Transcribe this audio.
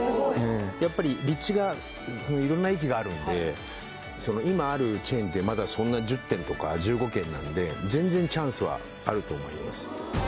やっぱり立地が色んな駅があるんでまだそんな１０軒とか１５軒なんで全然チャンスはあると思います